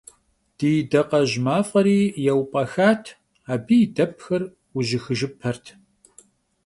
Ди дакъэжь мафӏэри еупӏэхат, абы и дэпхэр ужьыхыжыпэрт.